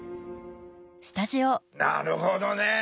なるほどね。